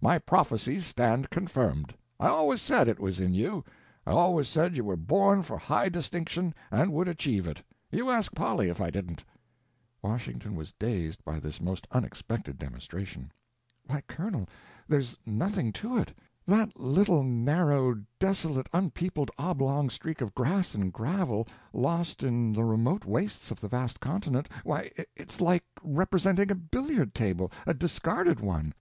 My prophecies stand confirmed. I always said it was in you. I always said you were born for high distinction and would achieve it. You ask Polly if I didn't." Washington was dazed by this most unexpected demonstration. "Why, Colonel, there's nothing to it. That little narrow, desolate, unpeopled, oblong streak of grass and gravel, lost in the remote wastes of the vast continent—why, it's like representing a billiard table—a discarded one."